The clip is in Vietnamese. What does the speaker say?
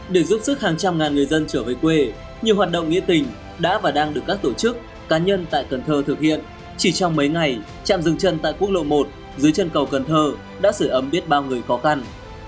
để giúp sức hàng trăm ngàn người dân trở về quê nhiều hoạt động nghĩa tình đã và đang được các tổ chức cá nhân tại cần thơ thực hiện chỉ trong mấy ngày trạm rừng chân tại quốc lộ một dưới chân cầu cần thơ đã sửa ấm biết bao người khó khăn